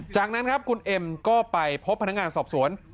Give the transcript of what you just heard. จากนั้นครับคุณเอ็มก็ไปพบพนักงานสอบสวน